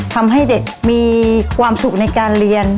ทำให้เด็กมีความสุขในการเรียน